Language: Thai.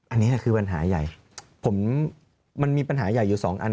อันนี้คือปัญหาใหญ่ผมมันมีปัญหาใหญ่อยู่สองอัน